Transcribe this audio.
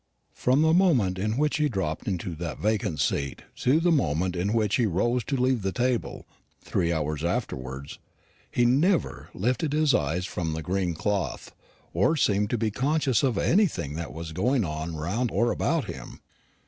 From the moment in which he dropped into that vacant seat to the moment in which he rose to leave the table, three hours afterwards, he never lifted his eyes from the green cloth, or seemed to be conscious of anything that was going on around or about him.